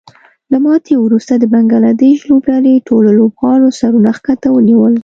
له ماتې وروسته د بنګلادیش لوبډلې ټولو لوبغاړو سرونه ښکته ونیول